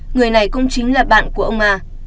người này cũng chính là bạn của ông mà